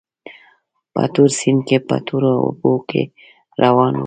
په تور سیند کې په تورو اوبو کې روان وو.